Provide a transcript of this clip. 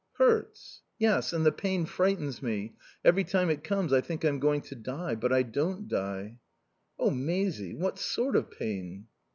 "Hurts?" "Yes. And the pain frightens me. Every time it comes I think I'm going to die. But I don't die." "Oh Maisie what sort of pain?"